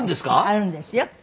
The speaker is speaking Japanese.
あるんですよ。